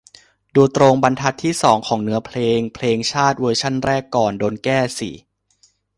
ดูตรงบรรทัดที่สองของเนื้อเพลงเพลงชาติเวอร์ชั่นแรกก่อนโดนแก้สิ